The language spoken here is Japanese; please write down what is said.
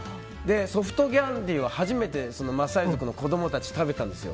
ソフトキャンディは初めてマサイ族の子供たちは食べたんですよ。